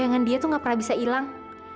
dengan dia tuh gak pernah bisa ilang